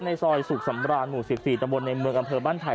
ในซอยสุขสำราญหมู่๑๔ตะบนในเมืองอำเภอบ้านไผ่